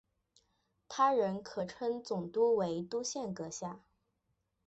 他人可称总督为督宪阁下。